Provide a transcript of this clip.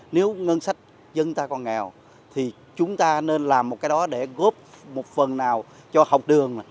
nếu ngân sách dân ta còn nghèo thì chúng ta nên làm một cái đó để góp một phần nào cho học đường